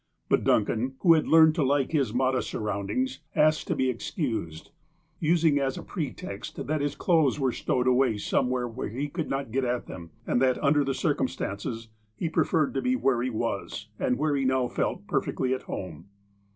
But Duncan, who had learned to like his modest surroundings, asked to be excused, using as a pretext, that his clothes were stowed away somewhere where he could not get at them, and that, under the circumstances, he preferred to be where he was, and where he now felt perfectly at home.